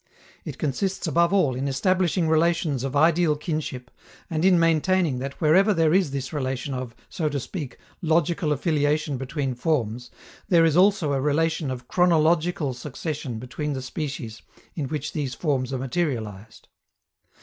It consists above all in establishing relations of ideal kinship, and in maintaining that wherever there is this relation of, so to speak, logical affiliation between forms, there is also a relation of chronological succession between the species in which these forms are materialized.